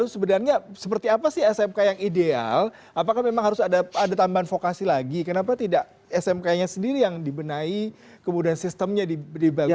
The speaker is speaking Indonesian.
sebenarnya seperti apa sih smk yang ideal apakah memang harus ada tambahan vokasi lagi kenapa tidak smk nya sendiri yang dibenahi kemudian sistemnya dibangun